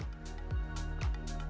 nyangga ibu kota